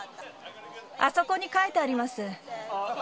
あそこに書いてあります。